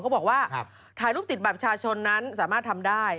บอกว่าถ่ายรูปติดบัตรประชาชนนั้นสามารถทำได้